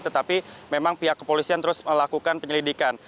tetapi memang pihak kepolisian terus melakukan penyelidikan